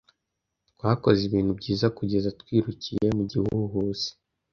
Twakoze ibihe byiza kugeza twirukiye mu gihuhusi.